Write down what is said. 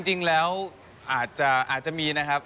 จริงแล้วอาจจะมีนะครับ